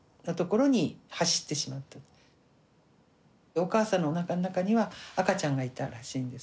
お母さんのおなかの中には赤ちゃんがいたらしいんですけれどもね。